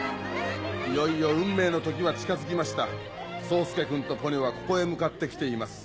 いよいよ運命の時は近づきました宗介くんとポニョはここへ向かって来ています。